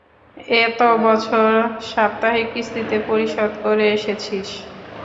এত বছর সাপ্তাহিক কিস্তিতে পরিশোধ করে এসেছিস।